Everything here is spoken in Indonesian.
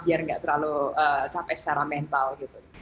biar nggak terlalu capek secara mental gitu